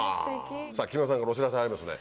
木村さんからお知らせありますね。